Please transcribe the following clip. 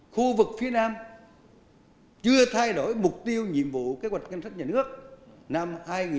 khu vực phía nam chưa thay đổi mục tiêu nhiệm vụ kế hoạch ngân sách nhà nước năm hai nghìn hai mươi